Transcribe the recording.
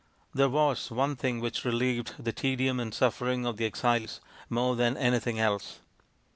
There was one thing which relieved the tedium and suffering of the exiles more than anything else.